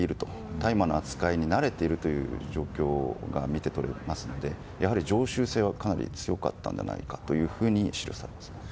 大麻の扱いに慣れているという状況が見て取れますのでやはり常習性はかなり強かったと思います。